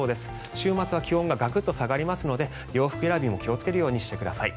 週末は気温がガクッと下がりますので洋服選びも気をつけるようにしてください。